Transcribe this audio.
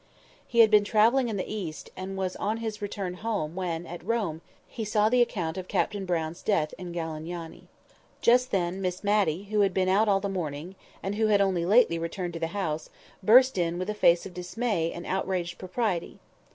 He had been travelling in the East, and was on his return home when, at Rome, he saw the account of Captain Brown's death in Galignani. Just then Miss Matty, who had been out all the morning, and had only lately returned to the house, burst in with a face of dismay and outraged propriety.